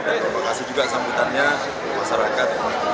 dan terima kasih juga sambutannya masyarakat